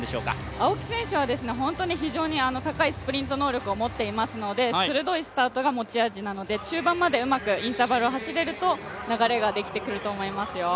青木選手は本当に非常に高いスプリント能力を持っていますので、鋭いスタートが持ち味なので、中盤までうまくインターバルを走れると流れができてくると思いますよ。